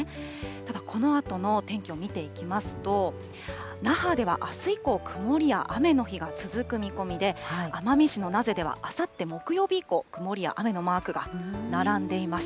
ただこのあとの天気を見ていきますと、那覇ではあす以降、曇りや雨の日が続く見込みで、奄美市の名瀬では、あさって木曜日以降、曇りや雨のマークが並んでいます。